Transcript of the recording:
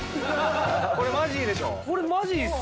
これマジいいでしょ？